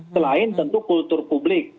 selain tentu kultur publik